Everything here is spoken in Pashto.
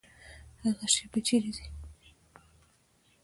هغه شیبې چیري دي؟